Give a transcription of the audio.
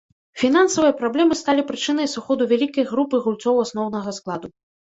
Фінансавыя праблемы сталі прычынай сыходу вялікай групы гульцоў асноўнага складу.